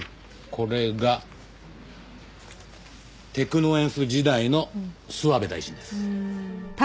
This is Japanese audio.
これがテクノエンス時代の諏訪部大臣です。